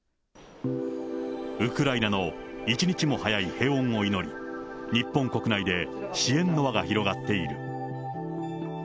ウクライナの一日も早い平穏を祈り、日本国内で支援の輪が広がっている。